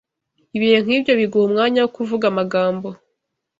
Ibihe nk’ibyo biguha umwanya wo kuvuga amagambo